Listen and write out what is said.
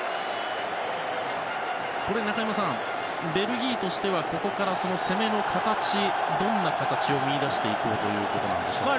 中山さん、ベルギーとしてはここからの攻めの形どんな形を見いだしていこうということなんでしょうか。